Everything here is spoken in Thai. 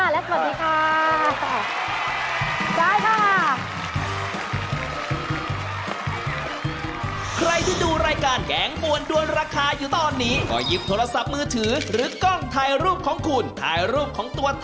แล้วผมถือผาดได้ไหมครับอ้าวได้สิ